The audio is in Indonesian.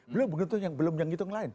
beliau yang ngitung yang lain